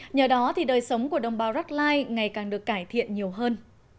nhờ đó đời sống của đồng bào rackline ngày càng được cải thiện nhiều hơn